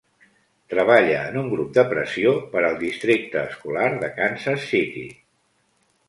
Treballa en un grup de pressió per al districte escolar de Kansas City.